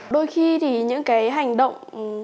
đôi khi thì những cái hành động